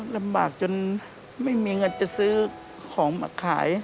ลำบากจนไม่มีเงินจะซื้อของมาขาย